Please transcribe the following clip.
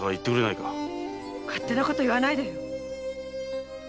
勝手なこと言わないでよ！